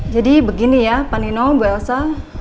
jadi begini ya panino ibu elsa